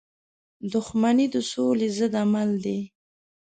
• دښمني د سولی ضد عمل دی.